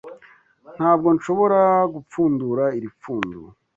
Ntabwo nshobora gupfundura iri pfundo.